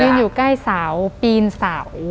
อยู่ใกล้เสาปีนเสา